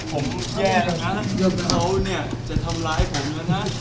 ผมแย่แล้วนะจนเขาเนี่ยจะทำร้ายผมแล้วนะ